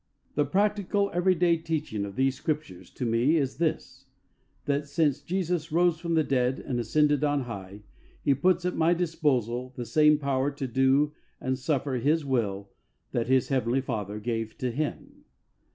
'^ The practical, every day teaching of these Scriptures to me is this: That since Jesus rose from the dead and ascended on high, He puts at my disposal the same power to do and suffer His will that His Heavenly Father gave to Him.